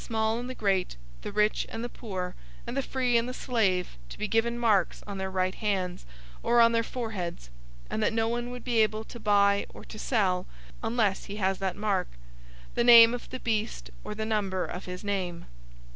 013:016 He causes all, the small and the great, the rich and the poor, and the free and the slave, to be given marks on their right hands, or on their foreheads; 013:017 and that no one would be able to buy or to sell, unless he has that mark, the name of the beast or the number of his name.